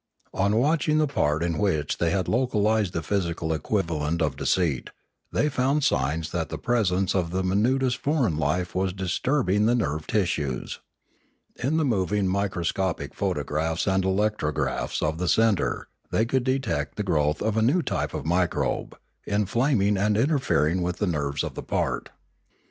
On watching the part in which they had localised the physical equivalent of deceit, they found signs that the presence of the minutest foreign life was disturbing the nerve tissues. In the moving microscopic photographs and electrographs of the centre they could detect the growth of a new type of microbe, inflaming and interfering with the nerves of the part.